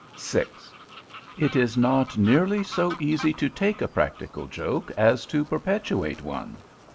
VI It is not nearly so easy to take a practical joke as to perpetrate one.